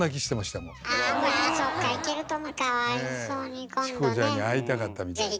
チコちゃんに会いたかったみたいで。